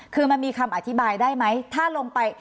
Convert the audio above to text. คือมันมีคำอธิบายได้ไหมถ้าลงไป